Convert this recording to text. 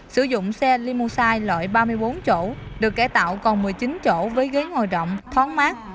sử dụng xe limosai loại ba mươi bốn chỗ được cải tạo còn một mươi chín chỗ với ghế ngồi rộng thoáng mát